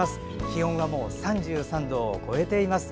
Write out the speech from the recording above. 気温はもう３３度を超えています。